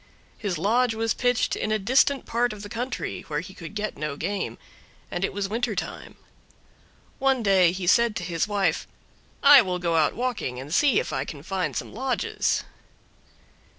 His lodge was pitched in a distant part of the country, where he could get no game, and it was winter time. One day he said to his wife, "I will go out walking and see if I can find some lodges."